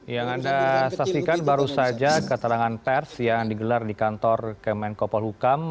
yang anda saksikan baru saja keterangan pers yang digelar di kantor kemenkopol hukam